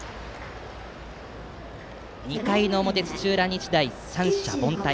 ２回の表、土浦日大は三者凡退。